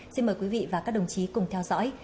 xin mời quý vị và các đồng chí cùng theo dõi